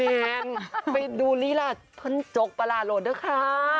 แนนไปดูลีลาท่อนจกปลาราโหลดด้วยค่ะ